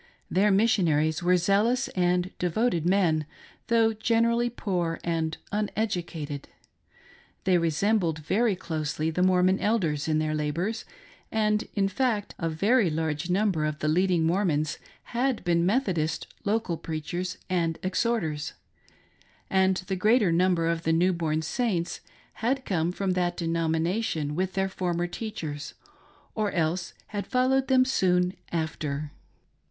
Their missionaries were zealous and devoted men,, though generally poor and uneducated. They resembled very closely the Mormon elders in their labors ; and, in fact, a very large number of the leading Mormons had been Methodist local preachers and exhorters ; and the greater number of the new born Saints had come from that denomination with their former teachers, or else had followed them, soon after. 56 CONVERTS IN COUNTRY PLACES.